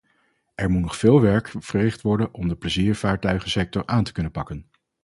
Er moet nog veel werk verricht worden om de pleziervaartuigensector aan te kunnen pakken.